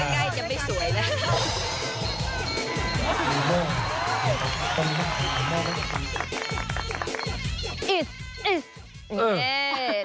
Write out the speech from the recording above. กดง่ายง่ายจะไม่สวยนะ